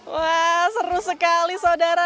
wah seru sekali saudara